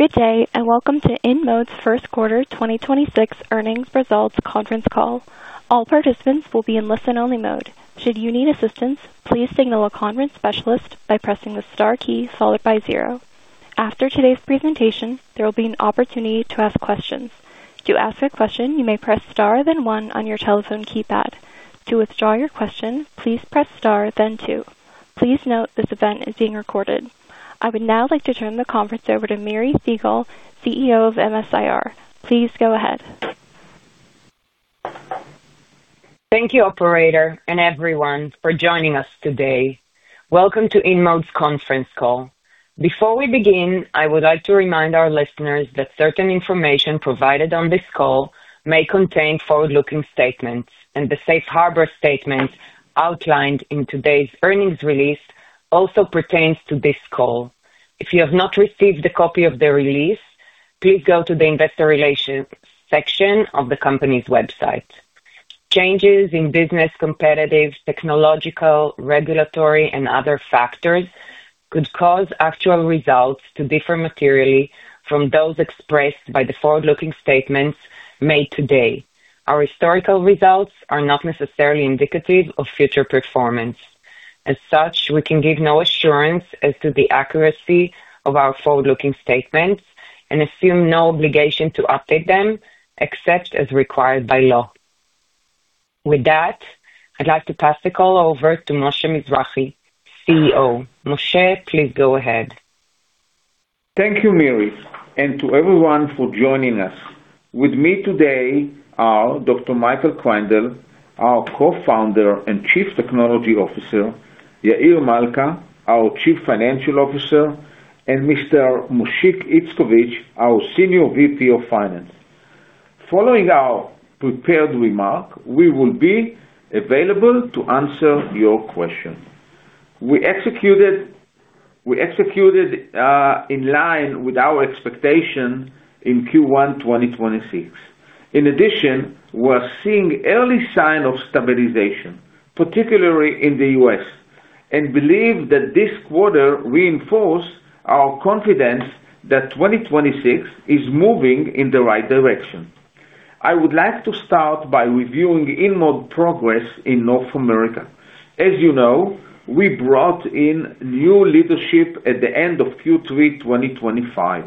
Good day. Welcome to InMode's first quarter 2026 earnings results conference call. All participants will be in listen-only mode. Should you need assistance, please signal a conference specialist by pressing the star key followed by zero. After today's presentation, there will be an opportunity to ask questions. To ask a question, you may press star then 1 on your telephone keypad. To withdraw your question, please press star then two. Please note this event is being recorded. I would now like to turn the conference over to Miri Segal, CEO of MS-IR. Please go ahead. Thank you, operator, and everyone for joining us today. Welcome to InMode's conference call. Before we begin, I would like to remind our listeners that certain information provided on this call may contain forward-looking statements, and the safe harbor statements outlined in today's earnings release also pertains to this call. If you have not received a copy of the release, please go to the investor relations section of the company's website. Changes in business competitive, technological, regulatory, and other factors could cause actual results to differ materially from those expressed by the forward-looking statements made today. Our historical results are not necessarily indicative of future performance. As such, we can give no assurance as to the accuracy of our forward-looking statements and assume no obligation to update them except as required by law. With that, I'd like to pass the call over to Moshe Mizrahy, CEO. Moshe, please go ahead. Thank you, Miri, and to everyone for joining us. With me today are Dr. Michael Kreindel, our Co-Founder and Chief Technology Officer, Yair Malca, our Chief Financial Officer, and Mr. Mushik Itskovitz, our Senior VP of Finance. Following our prepared remark, we will be available to answer your question. We executed in line with our expectation in Q1 2026. In addition, we're seeing early sign of stabilization, particularly in the U.S., and believe that this quarter reinforce our confidence that 2026 is moving in the right direction. I would like to start by reviewing InMode progress in North America. As you know, we brought in new leadership at the end of Q3 2025,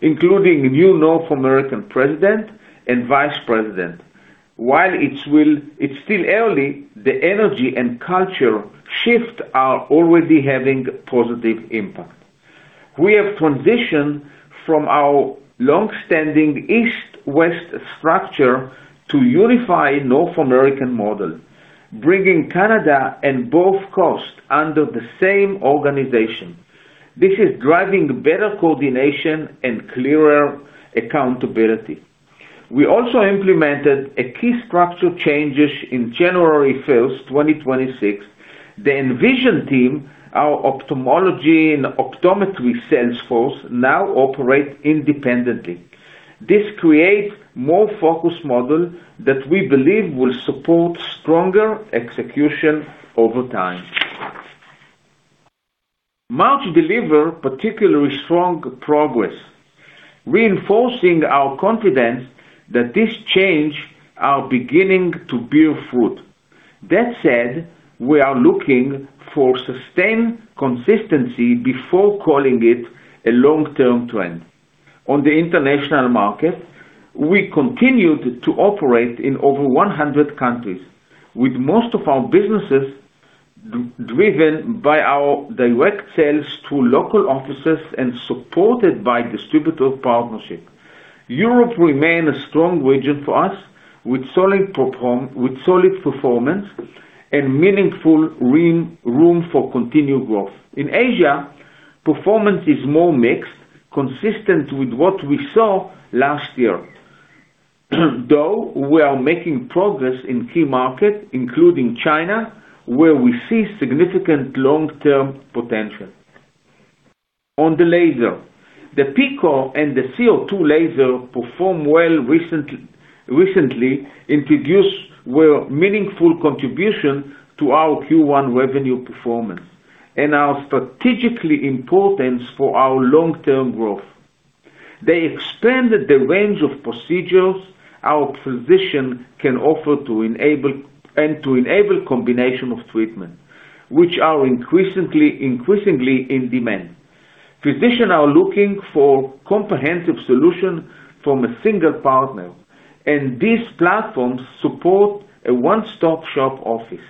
including new North American president and vice president. While it's still early, the energy and culture shift are already having positive impact. We have transitioned from our long-standing East-West structure to unify North American model, bringing Canada and both coasts under the same organization. This is driving better coordination and clearer accountability. We also implemented a key structure changes in January 1, 2026. The Envision team, our ophthalmology and optometry sales force now operate independently. This create more focused model that we believe will support stronger execution over time. March deliver particularly strong progress, reinforcing our confidence that this change are beginning to bear fruit. That said, we are looking for sustained consistency before calling it a long-term trend. On the international market, we continued to operate in over 100 countries, with most of our businesses driven by our direct sales to local offices and supported by distributor partnership. Europe remain a strong region for us with solid performance and meaningful room for continued growth. In Asia, performance is more mixed, consistent with what we saw last year. Though we are making progress in key markets, including China, where we see significant long-term potential. On the laser, the PicoFy and the CO2 laser perform well recently introduced were meaningful contribution to our Q1 revenue performance and are strategically important for our long-term growth. They expanded the range of procedures our physician can offer and to enable combination of treatment, which are increasingly in demand. Physicians are looking for comprehensive solution from a single partner, and these platforms support a one-stop shop office.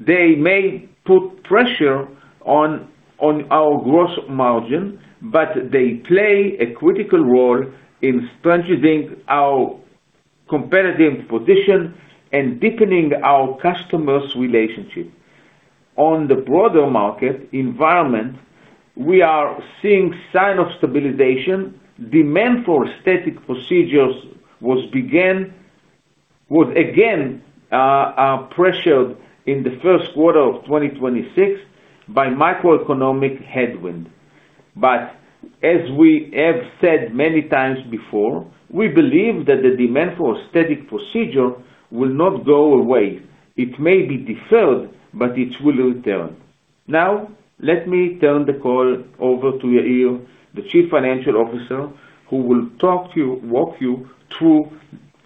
They may put pressure on our gross margin, but they play a critical role in strengthening our competitive position and deepening our customers' relationship. On the broader market environment, we are seeing sign of stabilization. Demand for aesthetic procedures was again pressured in the first quarter of 2026 by macroeconomic headwind. As we have said many times before, we believe that the demand for aesthetic procedure will not go away. It may be deferred, but it will return. Let me turn the call over to Yair, the Chief Financial Officer, who will walk you through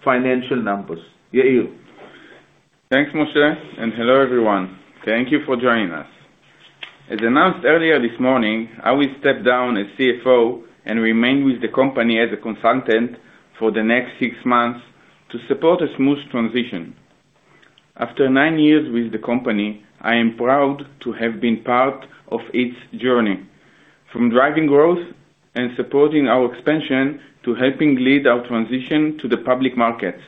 financial numbers. Yair. Thanks, Moshe, and hello everyone. Thank you for joining us. As announced earlier this morning, I will step down as CFO and remain with the company as a consultant for the next six months to support a smooth transition. After nine years with the company, I am proud to have been part of its journey, from driving growth and supporting our expansion to helping lead our transition to the public market.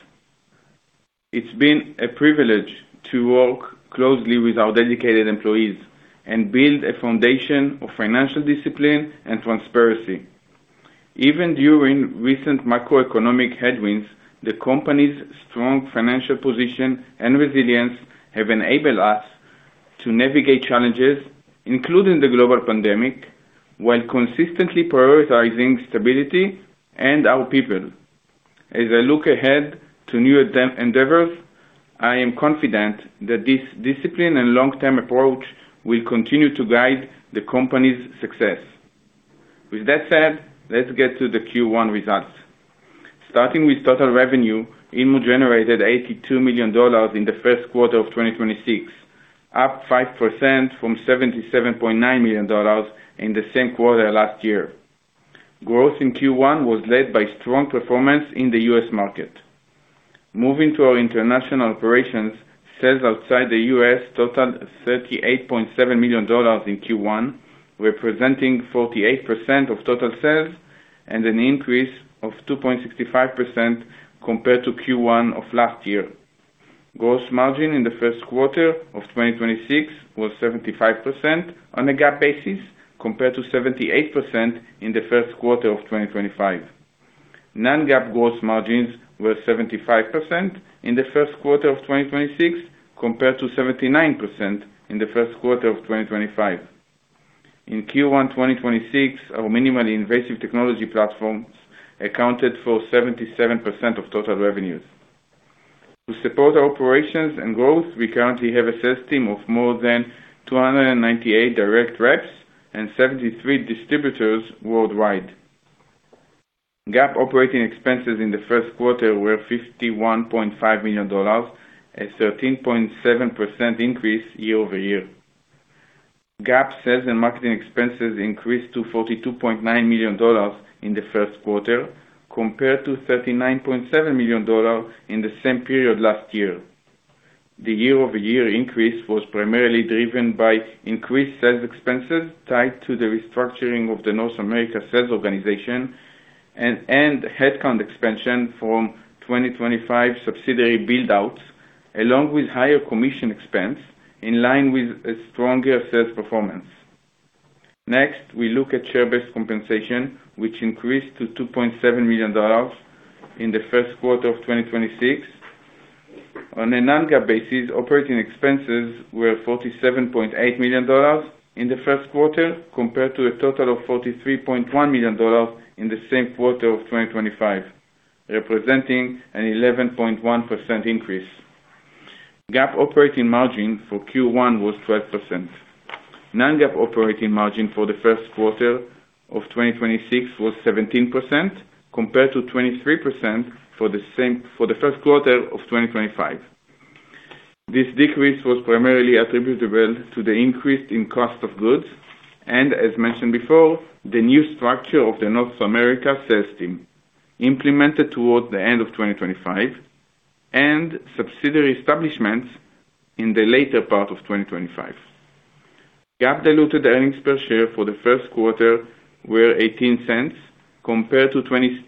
It's been a privilege to work closely with our dedicated employees and build a foundation of financial discipline and transparency. Even during recent macroeconomic headwinds, the company's strong financial position and resilience have enabled us to navigate challenges, including the global pandemic, while consistently prioritizing stability and our people. As I look ahead to new endeavors, I am confident that this discipline and long-term approach will continue to guide the company's success. With that said, let's get to the Q1 results. Starting with total revenue, InMode generated $82 million in the first quarter of 2026, up 5% from $77.9 million in the same quarter last year. Growth in Q1 was led by strong performance in the U.S. market. Moving to our international operations, sales outside the U.S. totaled $38.7 million in Q1, representing 48% of total sales and an increase of 2.65% compared to Q1 of last year. Gross margin in the first quarter of 2026 was 75% on a GAAP basis compared to 78% in the first quarter of 2025. Non-GAAP gross margins were 75% in the first quarter of 2026 compared to 79% in the first quarter of 2025. In Q1 2026, our minimally invasive technology platforms accounted for 77% of total revenues. To support our operations and growth, we currently have a sales team of more than 298 direct reps and 73 distributors worldwide. GAAP operating expenses in the first quarter were $51.5 million, a 13.7% increase year-over-year. GAAP sales and marketing expenses increased to $42.9 million in the first quarter compared to $39.7 million in the same period last year. The year-over-year increase was primarily driven by increased sales expenses tied to the restructuring of the North America sales organization and headcount expansion from 2025 subsidiary build-outs, along with higher commission expense in line with a stronger sales performance. Next, we look at share-based compensation, which increased to $2.7 million in the first quarter of 2026. On a non-GAAP basis, operating expenses were $47.8 million in the first quarter compared to a total of $43.1 million in the same quarter of 2025, representing an 11.1% increase. GAAP operating margin for Q1 was 12%. Non-GAAP operating margin for the first quarter of 2026 was 17% compared to 23% for the same for the first quarter of 2025. This decrease was primarily attributable to the increase in cost of goods and, as mentioned before, the new structure of the North America sales team implemented towards the end of 2025 and subsidiary establishments in the later part of 2025. GAAP diluted earnings per share for the first quarter were $0.18 compared to $0.26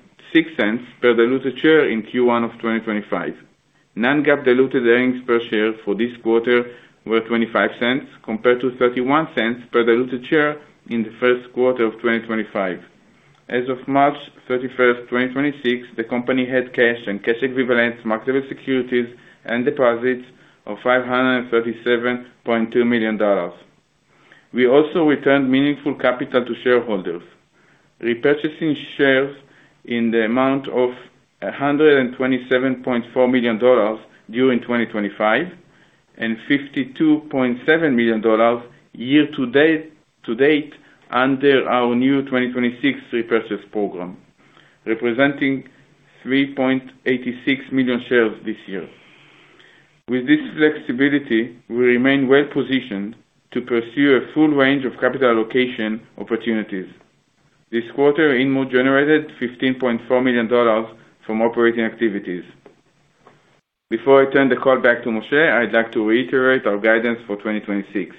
per diluted share in Q1 of 2025. Non-GAAP diluted earnings per share for this quarter were $0.25 compared to $0.31 per diluted share in the first quarter of 2025. As of March 31, 2026, the company had cash and cash equivalents, marketable securities, and deposits of $537.2 million. We also returned meaningful capital to shareholders, repurchasing shares in the amount of $127.4 million during 2025 and $52.7 million year to date, to date under our new 2026 repurchase program, representing 3.86 million shares this year. With this flexibility, we remain well-positioned to pursue a full range of capital allocation opportunities. This quarter, InMode generated $15.4 million from operating activities. Before I turn the call back to Moshe, I'd like to reiterate our guidance for 2026.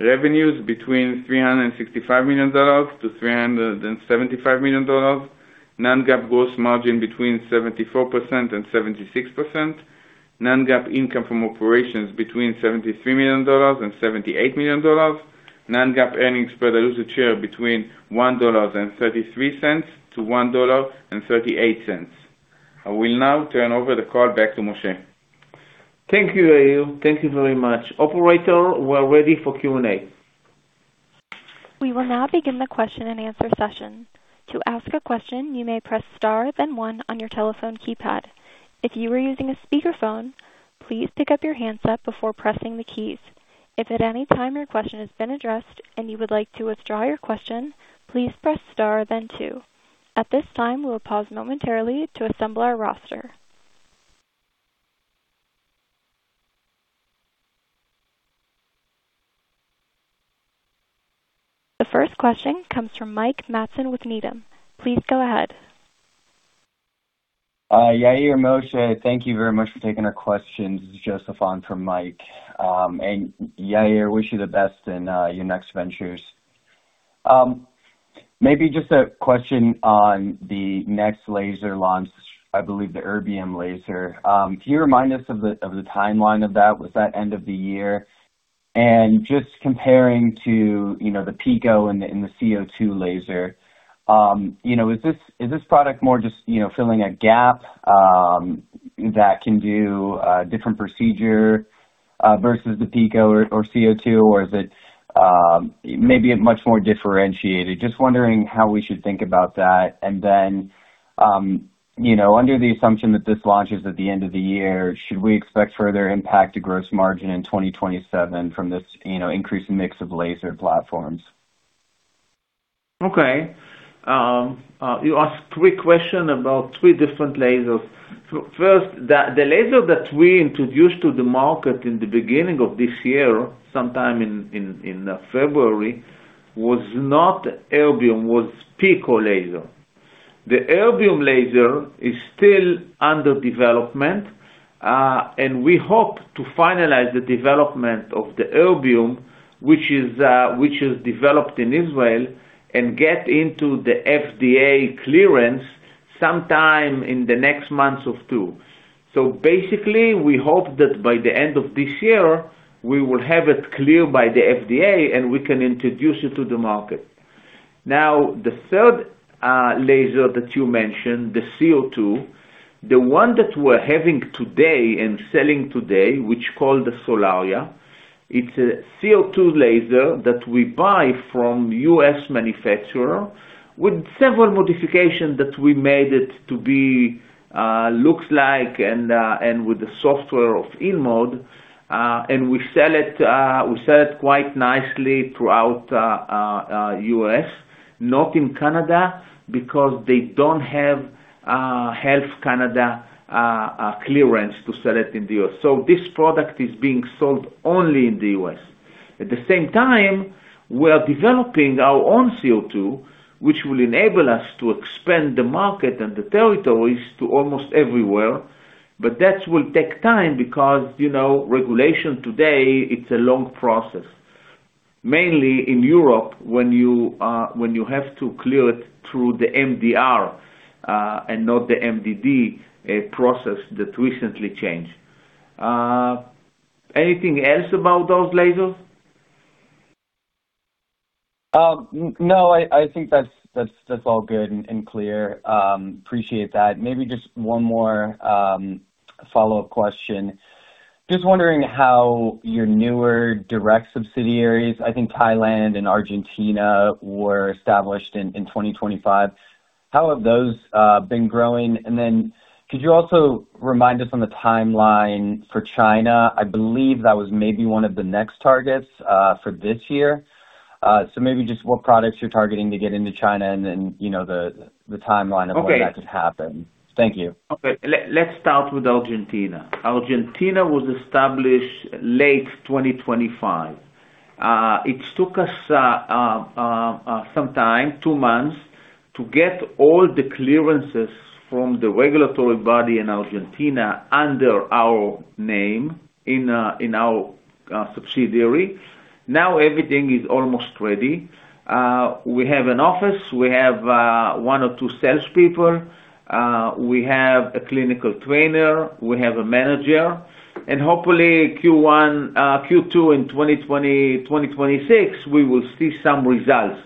Revenues between $365 million-$375 million. Non-GAAP gross margin between 74% and 76%. Non-GAAP income from operations between $73 million and $78 million. Non-GAAP earnings per diluted share between $1.33-$1.38. I will now turn over the call back to Moshe. Thank you, Yair. Thank you very much. Operator, we're ready for Q&A. We will now begin the question and answer session. To ask a question, you may press star then 1 on your telephone keypad. If you are using a speakerphone, please pick up your handset before pressing the keys. If at any time your question has been addressed and you would like to withdraw your question, please press star then two. At this time, we'll pause momentarily to assemble our roster. The first question comes from Mike Matson with Needham. Please go ahead. Yair, Moshe, thank you very much for taking our questions. This is Joseph on from Mike. Yair, wish you the best in your next ventures. Maybe just a question on the next laser launch, I believe the Erbium laser. Can you remind us of the timeline of that? Was that end of the year? Just comparing to, you know, the PicoFy and the CO2 laser, you know, is this product more just, you know, filling a gap that can do a different procedure versus the PicoFy or CO2? Is it maybe much more differentiated? Just wondering how we should think about that. You know, under the assumption that this launches at the end of the year, should we expect further impact to gross margin in 2027 from this, you know, increased mix of laser platforms? Okay. You asked three question about three different lasers. First, the laser that we introduced to the market in the beginning of this year, sometime in February, was not Erbium, was PicoFy laser. The Erbium laser is still under development, and we hope to finalize the development of the Erbium, which is developed in Israel, and get into the FDA clearance sometime in the next months of two. Basically, we hope that by the end of this year, we will have it cleared by the FDA, and we can introduce it to the market. Now, the third laser that you mentioned, the CO2, the one that we're having today and selling today, which called the Solaria. It's a CO2 laser that we buy from U.S. manufacturer with several modifications that we made it to be, looks like and with the software of InMode. We sell it quite nicely throughout U.S. Not in Canada, because they don't have Health Canada clearance to sell it in the U.S. This product is being sold only in the U.S. At the same time, we are developing our own CO2, which will enable us to expand the market and the territories to almost everywhere. That will take time because, you know, regulation today, it's a long process. Mainly in Europe, when you have to clear it through the MDR and not the MDD, a process that recently changed. Anything else about those lasers? No, I think that's, that's all good and clear. Appreciate that. Maybe just one more follow-up question. Just wondering how your newer direct subsidiaries, I think Thailand and Argentina were established in 2025. How have those been growing? Could you also remind us on the timeline for China? I believe that was maybe one of the next targets for this year. Maybe just what products you're targeting to get into China and then, you know, the timeline of when that could happen. Thank you. Okay. Let's start with Argentina. Argentina was established late 2025. It took us some time, two months, to get all the clearances from the regulatory body in Argentina under our name, in our subsidiary. Now, everything is almost ready. We have an office, we have one or two salespeople, we have a clinical trainer, we have a manager. Hopefully, Q2 in 2026, we will see some results.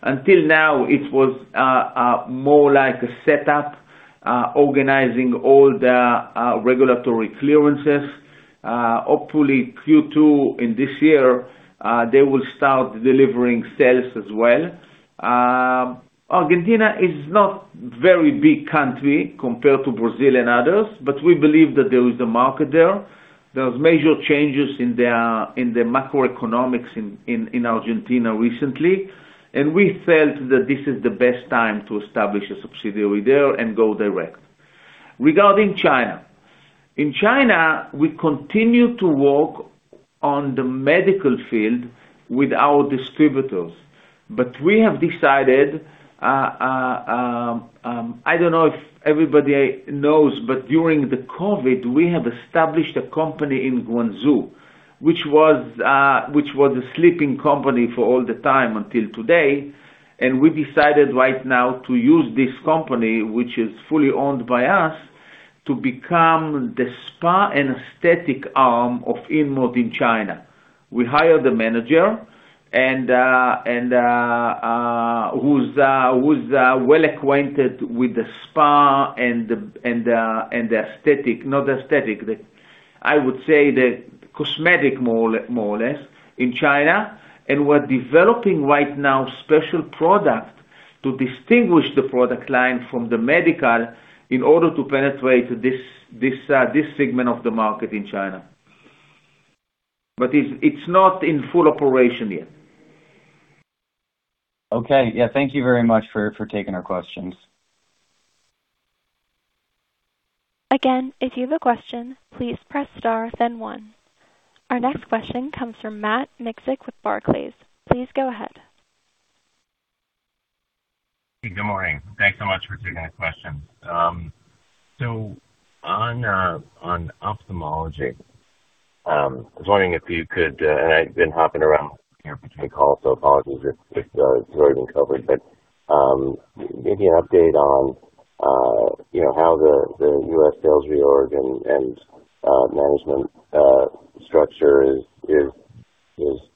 Until now, it was more like a setup, organizing all the regulatory clearances. Hopefully, Q2 in this year, they will start delivering sales as well. Argentina is not very big country compared to Brazil and others, but we believe that there is a market there. There was major changes in the macroeconomics in Argentina recently. We felt that this is the best time to establish a subsidiary there and go direct. Regarding China. In China, we continue to work on the medical field with our distributors. We have decided, I don't know if everybody knows, but during the COVID, we have established a company in Guangzhou, which was a sleeping company for all the time until today. We decided right now to use this company, which is fully owned by us, to become the spa and aesthetic arm of InMode in China. We hired a manager who's well-acquainted with the spa and the aesthetic, not aesthetic. I would say the cosmetic more or less in China, and we're developing right now special product to distinguish the product line from the medical in order to penetrate this segment of the market in China. It's not in full operation yet. Okay. Yeah, thank you very much for taking our questions. Again, if you have a question, please press star then one. Our next question comes from Matt Miksic with Barclays. Please go ahead. Good morning. Thanks so much for taking our questions. On ophthalmology, I was wondering if you could, and I've been hopping around between calls, so apologies if it's already been covered, but maybe an update on, you know, how the U.S. sales reorg and management structure is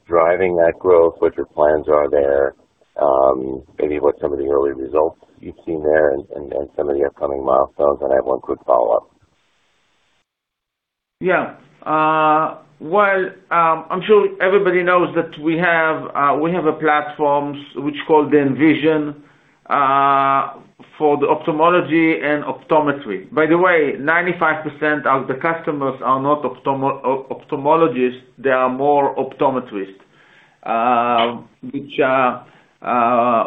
driving that growth. What your plans are there, maybe what some of the early results you've seen there and some of the upcoming milestones. I have one quick follow-up. Yeah. I'm sure everybody knows that we have a platforms which called the Envision for the ophthalmology and optometry. By the way, 95% of the customers are not ophthalmologists, they are more optometrists,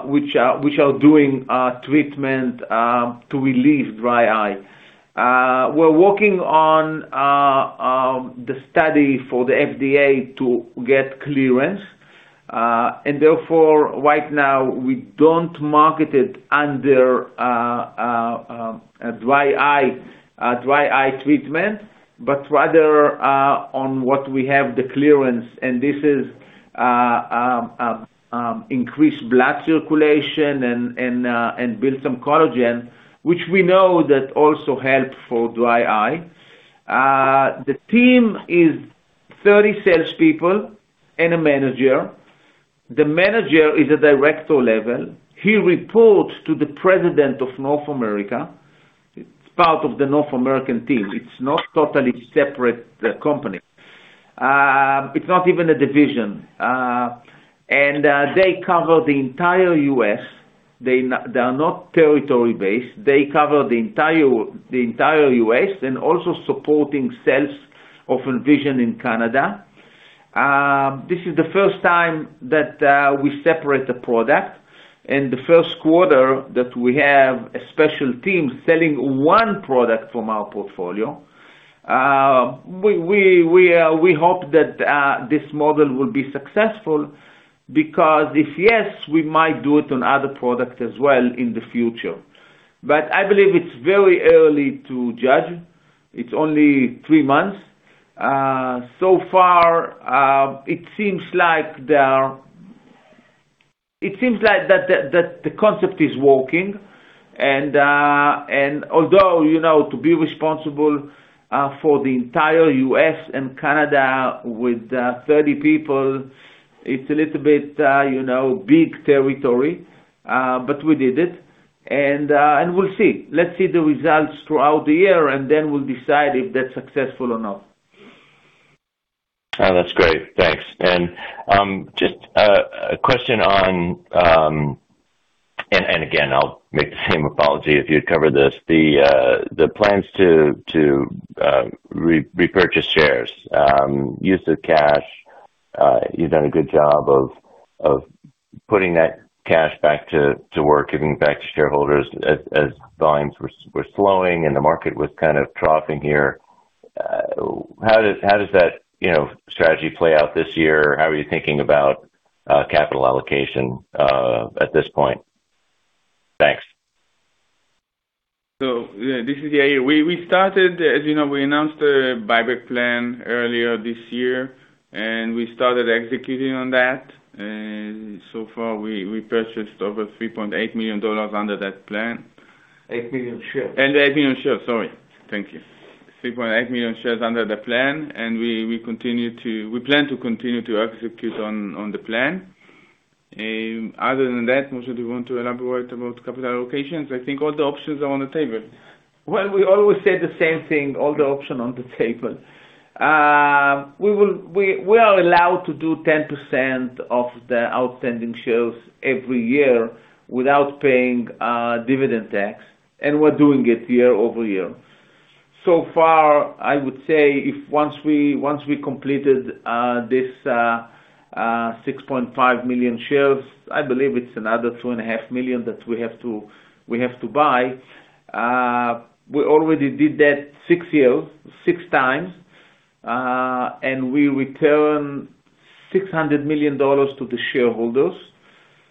which are doing treatment to relieve dry eye. We're working on the study for the FDA to get clearance. Therefore, right now we don't market it under a dry eye treatment, but rather on what we have the clearance, and this is increased blood circulation and build some collagen, which we know that also help for dry eye. The team is 30 salespeople and a manager. The manager is a director level. He reports to the president of North America. It's part of the North American team. It's not totally separate the company. It's not even a division. They cover the entire U.S. They are not territory-based. They cover the entire U.S. and also supporting sales of Envision in Canada. This is the first time that we separate the product and the first quarter that we have a special team selling one product from our portfolio. We hope that this model will be successful because if yes, we might do it on other products as well in the future. I believe it's very early to judge. It's only three months. So far, it seems like that the concept is working and although, you know, to be responsible for the entire U.S. and Canada with 30 people, it's a little bit, you know, big territory, but we did it. We'll see. Let's see the results throughout the year, and then we'll decide if that's successful or not. Oh, that's great. Thanks. Just a question on. Again, I'll make the same apology if you'd cover this. The plans to repurchase shares, use of cash. You've done a good job of putting that cash back to work, giving back to shareholders as volumes were slowing and the market was kind of troughing here. How does that, you know, strategy play out this year? How are you thinking about capital allocation at this point? Thanks. This is Yair. We started As you know, we announced a buyback plan earlier this year, and we started executing on that. So far, we purchased over $3.8 million under that plan. 8 million shares. The 8 million shares. Sorry. Thank you. 3.8 million shares under the plan. We plan to continue to execute on the plan. Other than that, Moshe, do you want to elaborate about capital allocations? I think all the options are on the table. We always say the same thing, all the options on the table. We are allowed to do 10% of the outstanding shares every year without paying dividend tax, and we're doing it year-over-year. So far, I would say if once we completed this 6.5 million shares, I believe it's another 2.5 million that we have to buy. We already did that six years, 6x, and we return $600 million to the shareholders.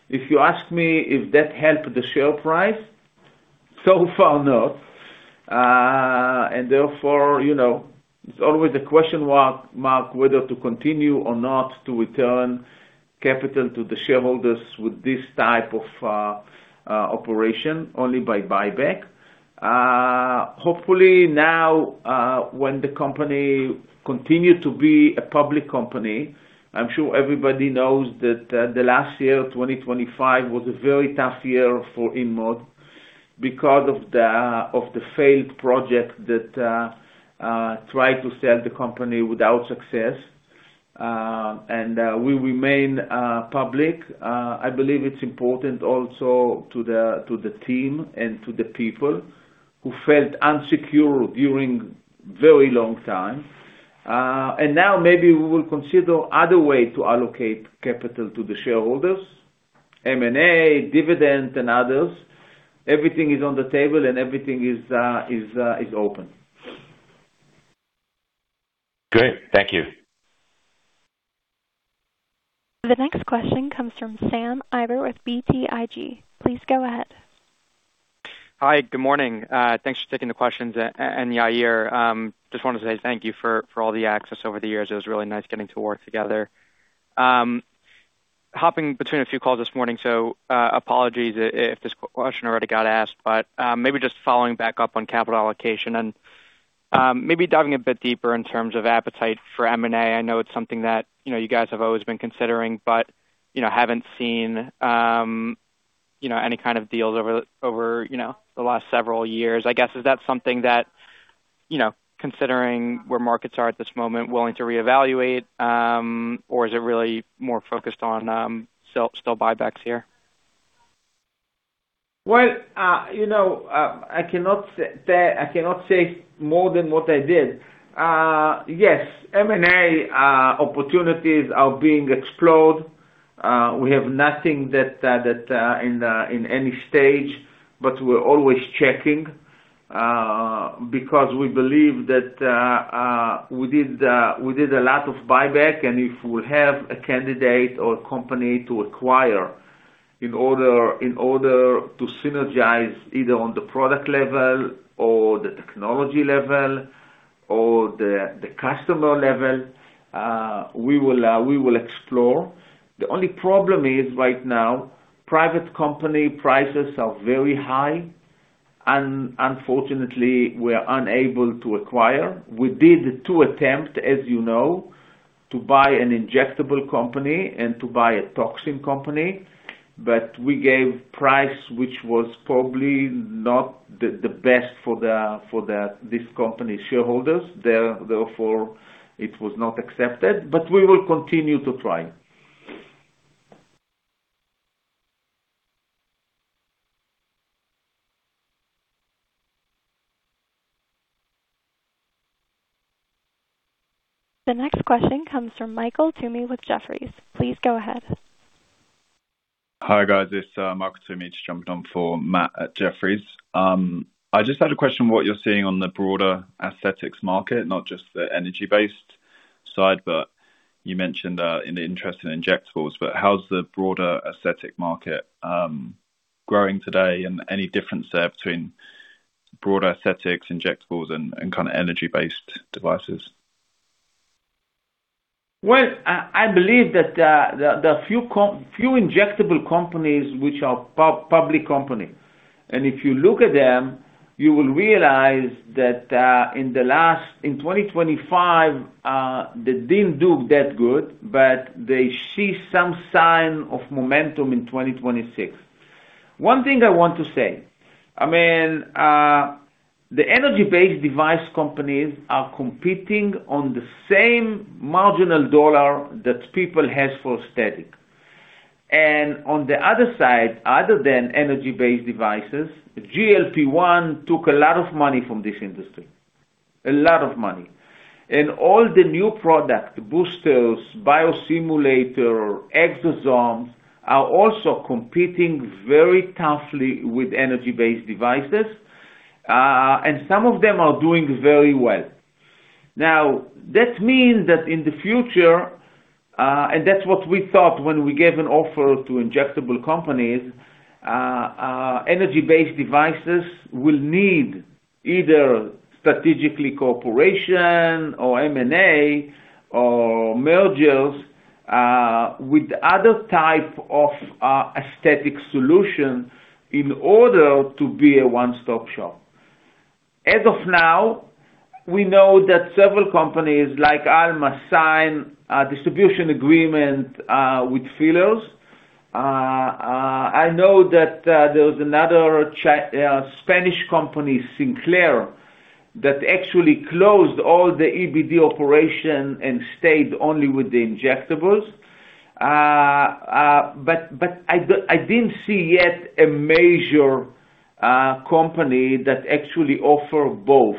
If you ask me if that helped the share price, so far, no. Therefore, you know, it's always a question whether to continue or not to return capital to the shareholders with this type of operation only by buyback. Hopefully now, when the company continue to be a public company, I'm sure everybody knows that the last year, 2025 was a very tough year for InMode because of the failed project that tried to sell the company without success. We remain public. I believe it's important also to the team and to the people who felt insecure during very long time. Now maybe we will consider other way to allocate capital to the shareholders, M&A, dividend, and others. Everything is on the table and everything is open. Great. Thank you. The next question comes from Sam Eiber with BTIG. Please go ahead. Hi. Good morning. Thanks for taking the questions. And Yair, just wanted to say thank you for all the access over the years. It was really nice getting to work together. Hopping between a few calls this morning, so apologies if this question already got asked, but maybe just following back up on capital allocation and maybe diving a bit deeper in terms of appetite for M&A. I know it's something that, you know, you guys have always been considering but, you know, haven't seen, you know, any kind of deals over the last several years. I guess, is that something that, you know, considering where markets are at this moment, willing to reevaluate, or is it really more focused on sell buybacks here? Well, you know, I cannot say more than what I did. Yes, M&A opportunities are being explored. We have nothing that, in any stage, but we're always checking, because we believe that we did a lot of buyback, and if we have a candidate or company to acquire in order to synergize either on the product level or the technology level or the customer level, we will explore. The only problem is right now, private company prices are very high and unfortunately, we're unable to acquire. We did two attempt, as you know, to buy an injectable company and to buy a toxin company, but we gave price, which was probably not the best for this company shareholders. Therefore, it was not accepted. We will continue to try. The next question comes from Michael Toomey with Jefferies. Please go ahead. Hi, guys, it's Michael Toomey. Just jumping on for Matt at Jefferies. I just had a question, what you're seeing on the broader aesthetics market, not just the energy-based side, but you mentioned in the interest in injectables, but how's the broader aesthetic market growing today and any difference there between broad aesthetics, injectables and kinda energy-based devices? Well, I believe that the few injectable companies which are public company. If you look at them, you will realize that in 2025, they didn't do that good, but they see some sign of momentum in 2026. One thing I want to say, I mean, the energy-based device companies are competing on the same marginal dollar that people have for aesthetic. On the other side, other than energy-based devices, GLP-1 took a lot of money from this industry. A lot of money. All the new product, boosters, biostimulator, exosomes, are also competing very toughly with energy-based devices, and some of them are doing very well. That means that in the future, and that's what we thought when we gave an offer to injectable companies, energy-based devices will need either strategically cooperation or M&A or mergers with other type of aesthetic solution in order to be a one-stop shop. As of now, we know that several companies like Alma sign a distribution agreement with fillers. I know that there was another Spanish company, Sinclair, that actually closed all the EBD operation and stayed only with the injectables. I didn't see yet a major company that actually offer both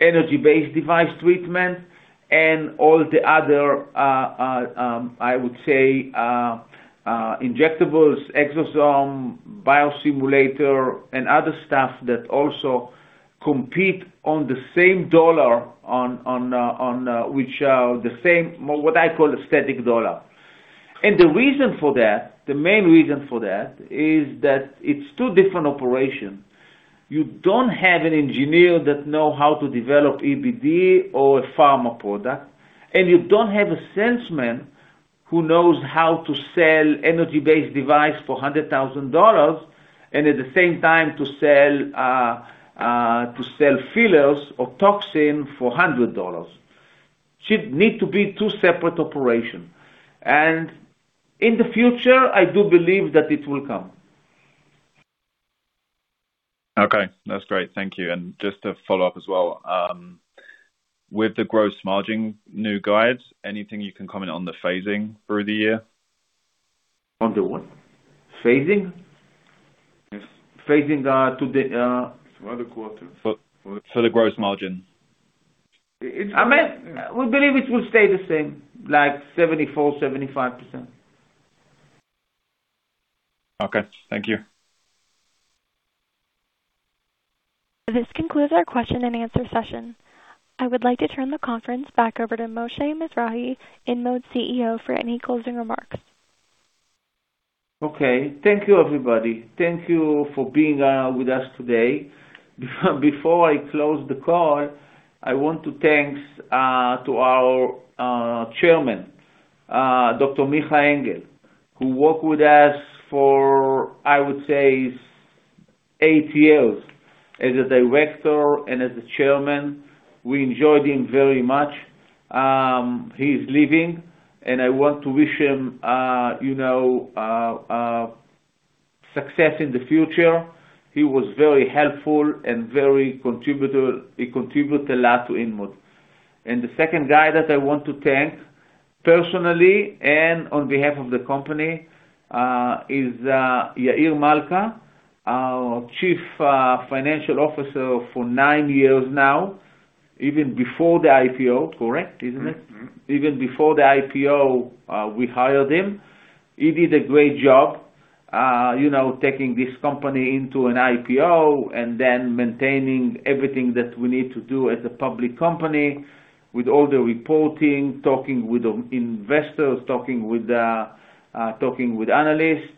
energy-based device treatment and all the other injectables, exosome, biostimulator, and other stuff that also compete on the same dollar, which the same what I call aesthetic dollar. The reason for that, the main reason for that is that it's two different operations. You don't have an engineer that know how to develop EBD or a pharma product, and you don't have a salesman who knows how to sell energy-based device for $100,000 and at the same time to sell fillers or toxin for $100. Should need to be two separate operations. In the future, I do believe that it will come. Okay. That's great. Thank you. Just to follow up as well, with the gross margin new guides, anything you can comment on the phasing through the year? On the what? Phasing? Yes. Phasing, to the. For other quarters. For the gross margin. It's I mean, we believe it will stay the same, like 74%, 75%. Okay. Thank you. This concludes our question and answer session. I would like to turn the conference back over to Moshe Mizrahy, InMode CEO, for any closing remarks. Okay. Thank you, everybody. Thank you for being with us today. Before I close the call, I want to thank to our Chairman, Dr. Michael Anghel, who worked with us for, I would say, eight years as a director and as a chairman. We enjoyed him very much. He's leaving, and I want to wish him, you know, success in the future. He was very helpful and very contributor. He contributed a lot to InMode. The second guy that I want to thank personally and on behalf of the company is Yair Malca, our Chief Financial Officer for nine years now, even before the IPO. Correct, isn't it? Even before the IPO, we hired him. He did a great job, you know, taking this company into an IPO and then maintaining everything that we need to do as a public company with all the reporting, talking with the investors, talking with analysts.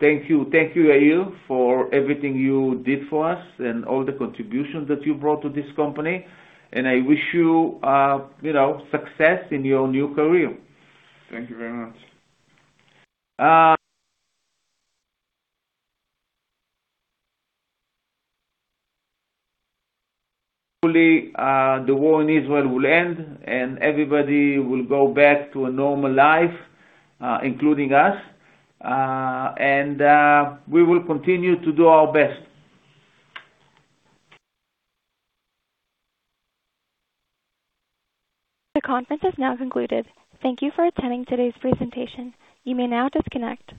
Thank you. Thank you, Yair, for everything you did for us and all the contributions that you brought to this company. I wish you know, success in your new career. Thank you very much. Hopefully, the war in Israel will end, and everybody will go back to a normal life, including us. We will continue to do our best. The conference is now concluded. Thank you for attending today's presentation. You may now disconnect.